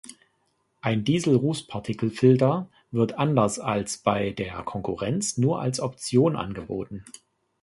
Ein Dieselrußpartikelfilter wird anders als bei der Konkurrenz nur als Option angeboten.